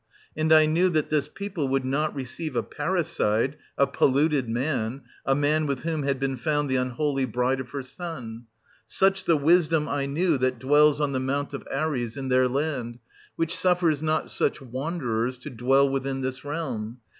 And I knew that this people would not receive a parricide, — a polluted man, — a man with whom had been found the unholy bride of her son. Such the wisdom, I knew, that dwells on the Mount of Ares in their land; which suffers not such wanderers to dwell within this realm.